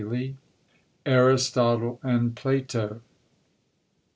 ] ARISTOTLE AND PLATO.